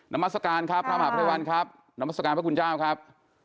มัศกาลครับพระมหาภัยวันครับนามัศกาลพระคุณเจ้าครับ